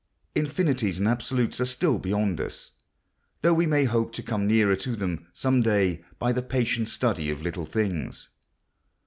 Infinities and absolutes are still beyond us; though we may hope to come nearer to them some day by the patient study of little things.